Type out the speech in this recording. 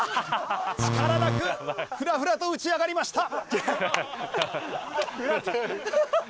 力なくフラフラと打ち上がりました。